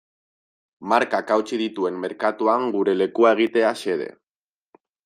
Markak hautsi dituen merkatuan gure lekua egitea xede.